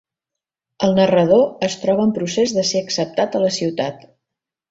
El narrador es troba en procés de ser acceptat a la ciutat.